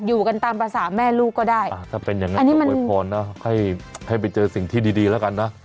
อยู่กันตามภาษาแม่ลูกก็ได้อันนี้มันให้ไปเจอสิ่งที่ดีแล้วกันนะ